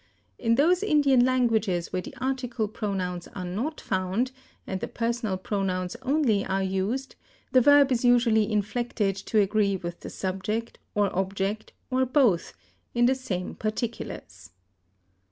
In those Indian languages where the article pronouns are not found, and the personal pronouns only are used, the verb is usually inflected to agree with the subject or object, or both, in the same particulars.